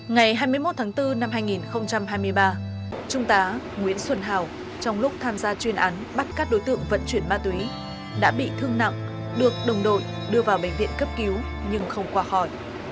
ngày hai mươi một tháng bốn năm hai nghìn hai mươi ba trung tá nguyễn xuân hào trong lúc tham gia chuyên án bắt các đối tượng vận chuyển ma túy đã bị thương nặng được đồng đội đưa vào bệnh viện cấp cứu nhưng không qua khỏi